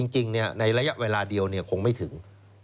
ในระยะเวลาเดียวคงไม่ถึง